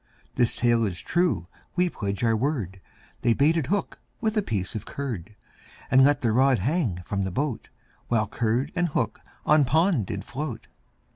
This tale is true we pledge our word, They baited hook with a piece of curd, And let the rod hang from the boat, While curd and hook on pond did float.